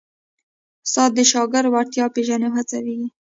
استاد د شاګرد وړتیا پېژني او هڅوي یې.